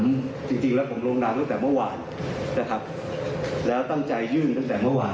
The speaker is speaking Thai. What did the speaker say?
ผมจริงจริงแล้วผมลงนามตั้งแต่เมื่อวานนะครับแล้วตั้งใจยื่นตั้งแต่เมื่อวาน